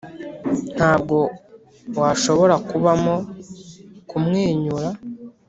ntabwo washobora kubamo kumwenyura,